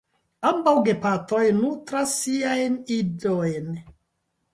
Ambaŭ gepatroj nutras siajn idojn.